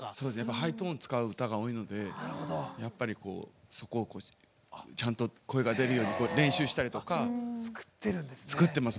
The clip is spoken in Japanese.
ハイトーンを使う歌が多いのでそこをちゃんと声が出るように練習したりとか作ってます。